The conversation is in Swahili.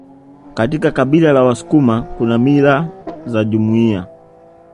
Kaika kabila la wasukuma Kuna mila za jumuiya